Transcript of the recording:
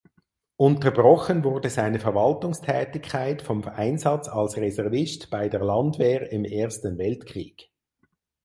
Unterbrochen wurde seine Verwaltungstätigkeit vom Einsatz als Reservist bei der Landwehr im Ersten Weltkrieg.